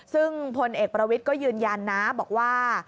ซึ่งพลเอกประวิทย์ก็ยืนยันนะบอกว่า